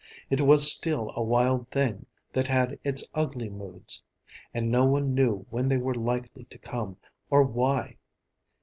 It was still a wild thing that had its ugly moods; and no one knew when they were likely to come, or why.